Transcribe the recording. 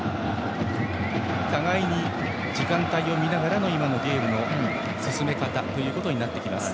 互いに時間帯を見ながらの今のゲームの進め方になります。